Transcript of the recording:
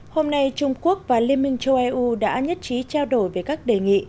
hôm nay trung quốc và liên minh châu âu đã nhất trí trao đổi về các đề nghị